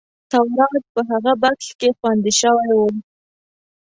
تورات په هغه بکس کې خوندي شوی و.